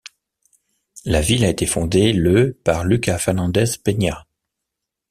La ville a été fondée le par Lucas Fernandez Peña.